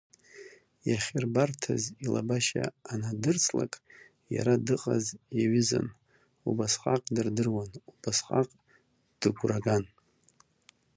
Иахьырбарҭаз илабашьа анадырслак, иара дыҟаз иаҩызан, убасҟак дырдыруан, убасҟак дыгәраган.